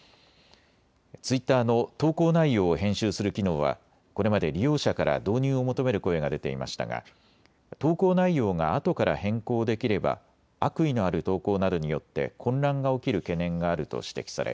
ツイッターの投稿内容を編集する機能はこれまで利用者から導入を求める声が出ていましたが投稿内容があとから変更できれば悪意のある投稿などによって混乱が起きる懸念があると指摘され